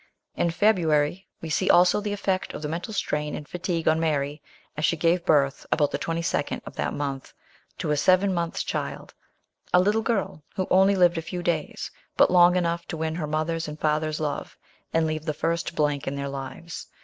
In February, we see also the effect of the mental strain and fatigue on Mary, as she gave birth, about the 22nd of that month, to a seven months' child, a little girl, who only lived a few days, but long enough to win her mother's and father's love, and leave the first blank in their lives.